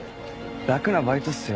楽なバイトっすよ。